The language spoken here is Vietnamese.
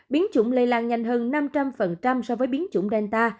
biến chủng lây lan nhanh hơn năm trăm linh so với biến chủng genta